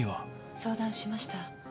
相談しました。